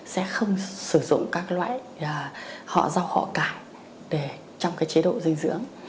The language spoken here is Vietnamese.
sẽ không sử dụng các loại họ rau họ cảm để trong cái chế độ dinh dưỡng